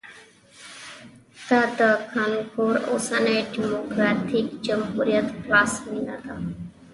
دا د کانګو اوسني ډیموکراټیک جمهوریت پلازمېنه ده